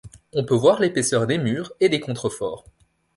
On peut voir l'épaisseur des murs et des contre-forts.